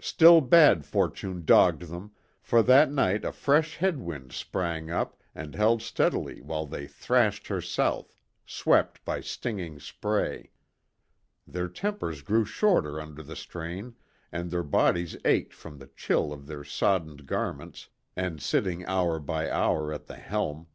Still bad fortune dogged them, for that night a fresh head wind sprang up and held steadily while they thrashed her south, swept by stinging spray. Their tempers grew shorter under the strain, and their bodies ached from the chill of their soddened garments and sitting hour by hour at the helm.